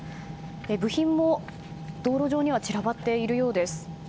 部品も道路上には散らばっているようです。